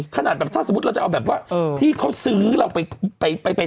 ขนาดแบบถ้าสมมุติเราจะเอาแบบว่าที่เขาซื้อเราไปไป